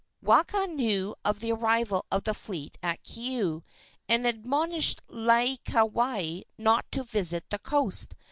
Waka knew of the arrival of the fleet at Keaau, and admonished Laieikawai not to visit the coast.